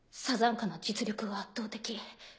サザンカの実力は圧倒的。